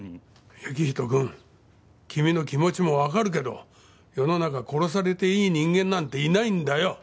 行人君君の気持ちもわかるけど世の中殺されていい人間なんていないんだよ。